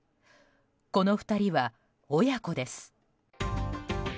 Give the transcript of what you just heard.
この２人は親子です。